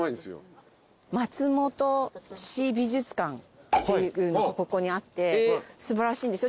松本市美術館っていうのがここにあって素晴らしいんですよ。